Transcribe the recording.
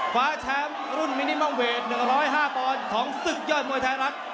ขวาแชมป์รุ่นมินิมองเวท๑๐๕ปอนด์ของสุดยอดมวยท้ายรัก